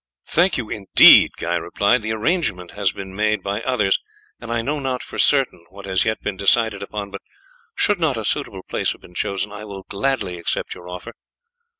"Thank you indeed," Guy replied; "the arrangement has been made by others, and I know not for certain what has yet been decided upon, but should not a suitable place have been chosen I will gladly accept your offer."